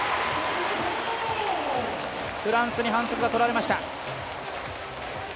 フランスに反則がとられました。